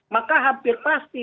maka hampir pasti